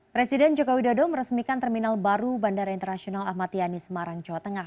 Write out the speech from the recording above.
presiden joko widodo meresmikan terminal baru bandara internasional ahmad yani semarang jawa tengah